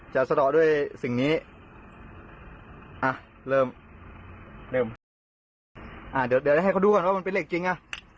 สะดอกด้วยสิ่งนี้อ่ะเริ่มเริ่มอ่าเดี๋ยวให้เขาดูก่อนว่ามันเป็นเลขจริงอ่ะ